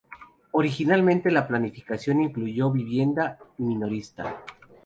Originalmente la planificación incluyó vivienda y minorista.